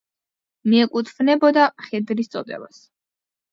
მიეკუთვნებოდა მხედრის წოდებას.